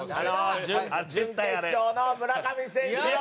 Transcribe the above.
準決勝の村上選手の。